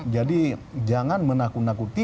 jadi jangan menakuti